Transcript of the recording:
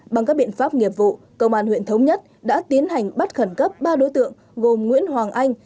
bằng các biện pháp nghiệp vụ công an huyện thống nhất đã tiến hành bắt khẩn cấp ba đối tượng gồm nguyễn hoàng anh